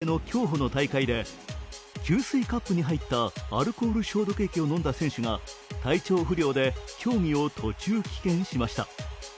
先週土曜、山梨県で行われた高校生の競歩の大会で給水カップに入ったアルコール消毒液を飲んだ選手が体調不良で競技を途中棄権しました。